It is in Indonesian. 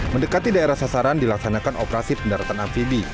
mendekati daerah sasaran dilaksanakan operasi pendaratan amfibi